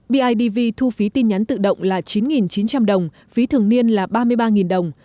bidv thu phí tin nhắn tự động là chín chín trăm linh đồng phí thường niên là ba mươi ba đồng